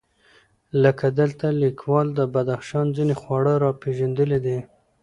لکه دلته لیکوال د بدخشان ځېنې خواړه راپېژندلي دي،